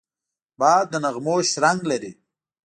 باد د نغمو شرنګ لري